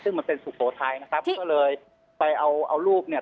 ซึ่งมันเป็นสุโขทัยนะครับก็เลยไปเอาเอาลูกเนี่ย